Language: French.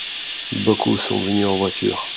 Beaucoup sont venus en voiture.